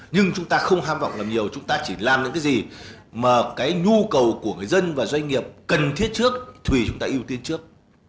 nhưng chúng ta không ham vọng làm nhiều chúng ta chỉ làm những cái gì mà cái nhu cầu của người dân và doanh nghiệp cần thiết trước thùy chúng ta ưu tiên trước